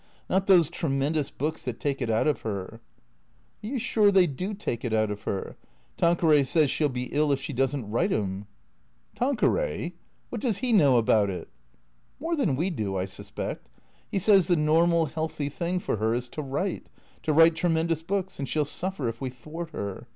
Not those tremendous books that take it out of her." " Are you sure they do take it out of her ? Tanqueray says she '11 be ill if she does n't write 'em." " Tanqueray ? What does he know about it ?"" More than we do, I suspect. He says the normal, healthy thing for her is to write, to write tremendous books, and she '11 suffer if we thwart her.